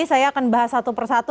saya akan bahas satu persatu